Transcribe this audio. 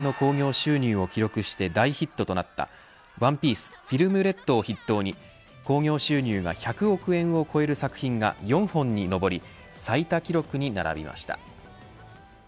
作品別では、およそ１９７億円の興行収入を記録して大ヒットとなったＯＮＥＰＩＥＣＥＦＩＬＭＲＥＤを筆頭に興行収入が１００億円を超える作品が４本に上り最多記録に並びました。